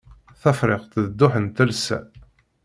Tafriqt d dduḥ n talsa.